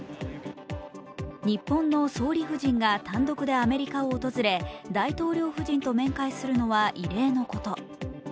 日本の総理夫人が単独でアメリカを訪れ、大統領夫人と面会するのは異例のこと。